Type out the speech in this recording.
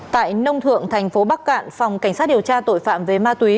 tại nông thượng thành phố bắc cạn phòng cảnh sát điều tra tội phạm về ma túy